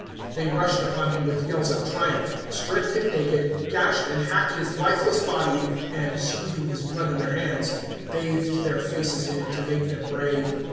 They rushed upon him with yells of triumph, stripped him naked, gashed and hacked his lifeless body, and, scooping his blood in their hands, bathed their faces in it to make them brave.